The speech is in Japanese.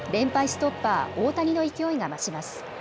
ストッパー、大谷の勢いが増します。